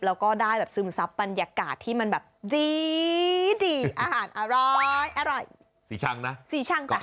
แล้วก็ได้ซึมซับปรรยากาศที่มันดีอาหารอร้อย